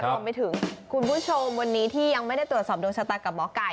รวมไปถึงคุณผู้ชมวันนี้ที่ยังไม่ได้ตรวจสอบดวงชะตากับหมอไก่